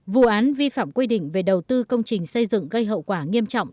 vụ án vi phạm quy định về đầu tư công trình xây dựng gây hậu quả nghiêm trọng